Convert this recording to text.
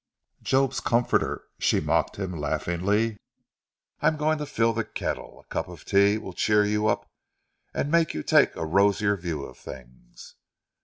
"Job's comforter!" she mocked him laughingly. "I'm going to fill the kettle. A cup of tea will cheer you up and make you take a rosier view of things."